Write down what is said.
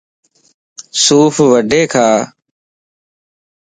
سوڦ وڊي کا